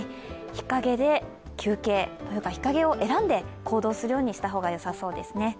日陰で休憩、日陰を選んで行動するようにした方がよさそうですね。